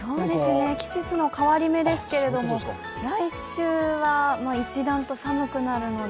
季節の変わり目ですけれども来週は一段と寒くなるので。